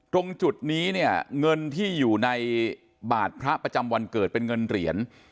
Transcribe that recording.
ตรงจุดนี้เนี่ยเงินที่อยู่ในบาทพระประจำวันเกิดเป็นเงินเหรียญ